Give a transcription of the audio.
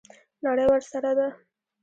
نړۍ ورسره ده.